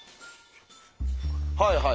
はいはい。